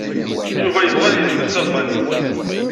Yuba yebɣa ad yelmed talbanit.